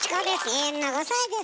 永遠の５さいです。